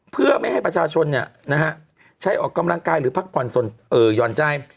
เพื่อไม่ให้ประชาชนใช้ออกกำลังกายหรือพักผ่อนหย่อนใจ